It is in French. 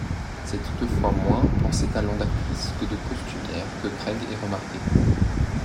C'est toutefois moins pour ses talents d'actrice que de costumière que Craig est remarquée.